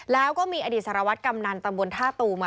แล้วก็มีอดีตสารวัตรกำนันตำบลท่าตูม